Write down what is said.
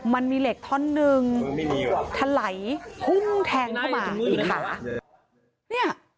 มันมีเหล็กท่อนหนึ่งถลัยแทงเข้ามา